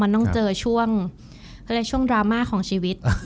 มันต้องเจอช่วงดราม่าของชีวิต